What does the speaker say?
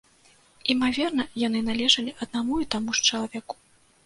Імаверна, яны належалі аднаму і таму ж чалавеку.